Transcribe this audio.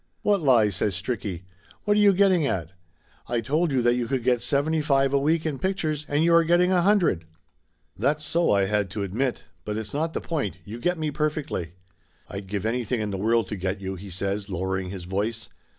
"What lies ?" says Stricky. "What are you getting at? I told you that you could get seventy five a week in pictures, and you are getting a hundred !" "That's so," I had to admit. "But it's not the point. You get me perfectly !" "I'd give anything in the world to get you !" he says, lowering his voice.